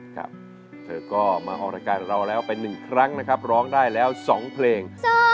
อเจมส์ก็เอาไปร้องได้สองเพลง